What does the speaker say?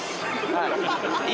はい！